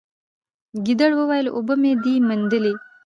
ګیدړ وویل اوبه مي دي میندلي